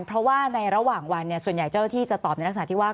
เพราะว่าในระหว่างวันส่วนใหญ่เจ้าที่จะตอบในลักษณะที่ว่า